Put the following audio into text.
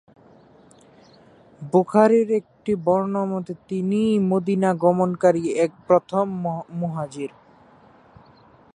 বুখারীর একটি বর্ণনামতে তিনিই মদীনায় গমনকারী প্রথম মুহাজির।